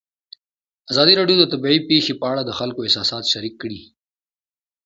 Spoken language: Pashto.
ازادي راډیو د طبیعي پېښې په اړه د خلکو احساسات شریک کړي.